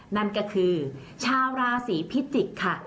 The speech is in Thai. นั่นก็คือชาวราศีพิจิกษ์ค่ะ